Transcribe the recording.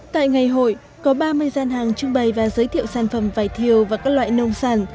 tại ngày hội có ba mươi gian hàng trưng bày và giới thiệu sản phẩm vải thiều và các loại nông sản